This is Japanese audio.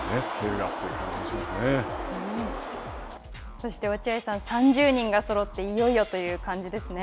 そして落合さん３０人がそろっていよいよという感じですね。